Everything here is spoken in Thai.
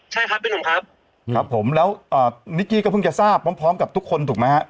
ใช่ครับพี่หนุ่มครับครับผมแล้วนิกกี้ก็เพิ่งจะทราบพร้อมกับทุกคนถูกไหมฮะ